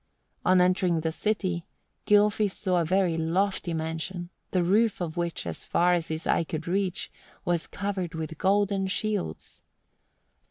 On entering the city Gylfi saw a very lofty mansion, the roof of which, as far as his eye could reach, was covered with golden shields.